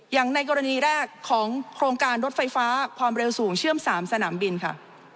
อย่างในกรณีแรกของโครงการรถไฟฟ้าความเร็วสูงเชื่อม๓สนามบินค่ะ